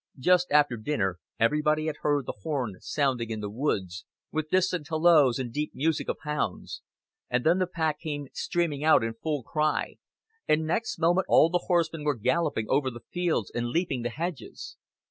Just after dinner everybody had heard the horn sounding in the woods, with distant holloas and deep music of hounds, and then the pack came streaming out in full cry, and next moment all the horsemen were galloping over the fields and leaping the hedges.